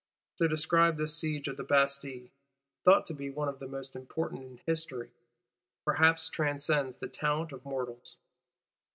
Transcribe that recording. To describe this Siege of the Bastille (thought to be one of the most important in history) perhaps transcends the talent of mortals.